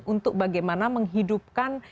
untuk bagaimana menghidupkan